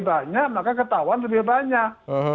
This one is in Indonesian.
banyak maka ketahuan lebih banyak